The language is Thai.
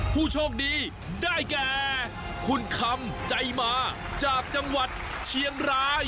ผู้โชคดีได้แก่คุณคำใจมาจากจังหวัดเชียงราย